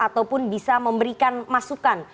ataupun bisa memberikan masukan